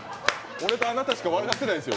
俺とあなたしか分かってないですよ。